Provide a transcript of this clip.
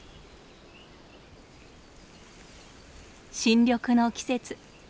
新緑の季節。